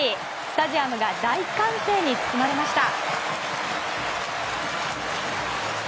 スタジアムが大歓声に包まれました。